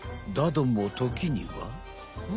だどもときには。